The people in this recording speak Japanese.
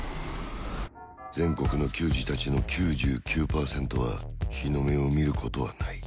全国の球児たちの９９％は日の目を見ることはない。